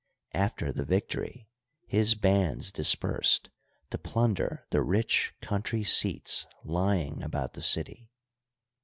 After the victory his bands dispersed to plunder the rich country seats lying about the city.